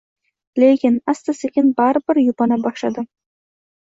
Lekin, asta-sekin bari bir yupana boshladim.